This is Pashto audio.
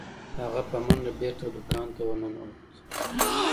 هغه په منډه بیرته دکان ته ورنوت.